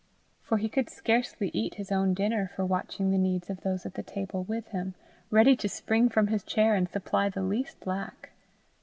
For he could scarcely eat his own dinner for watching the needs of those at the table with him, ready to spring from his chair and supply the least lack.